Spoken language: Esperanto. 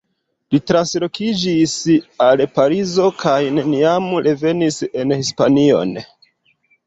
Li translokiĝis al Parizo, kaj neniam revenis en Hispanion.